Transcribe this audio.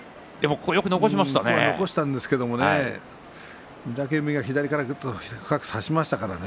残したんですけれども御嶽海が左から深く差しましたからね。